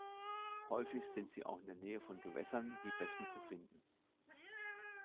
Häufig sind sie auch in der Nähe von Gewässern wie Bächen zu finden.